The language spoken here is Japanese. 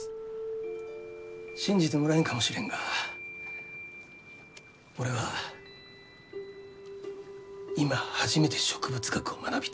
信じてもらえんかもしれんが俺は今初めて植物学を学びたいと。